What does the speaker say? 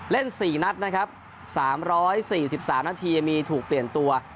๔นัดนะครับ๓๔๓นาทียังมีถูกเปลี่ยนตัว